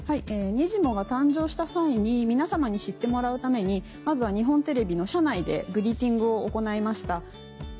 にじモが誕生した際に皆様に知ってもらうためにまずは日本テレビの社内でグリーティングを行いました。